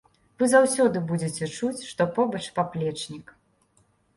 Вы заўсёды будзеце чуць, што побач паплечнік.